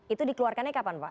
itu dikeluarkannya kapan pak